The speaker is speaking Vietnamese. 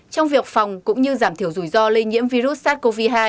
trong việc phòng cũng như giảm thiểu rủi ro lây nhiễm virus sars cov hai